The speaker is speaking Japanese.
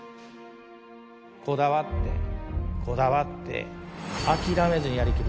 こだわってこだわって諦めずにやりきる